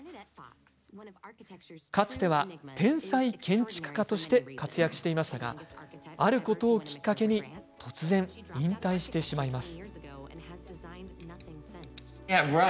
かつては天才建築家として活躍していましたがあることをきっかけに突然、引退してしまいます。